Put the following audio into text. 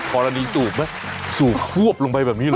พอแล้วนี้สูบไหมสูบควบลงไปแบบนี้เลย